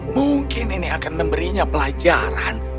mungkin ini akan memberinya pelajaran